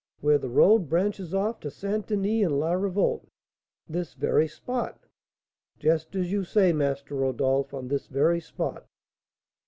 "Where the road branches off to St. Denis and La Revolte." "This very spot!" "Just as you say, Master Rodolph, on this very spot."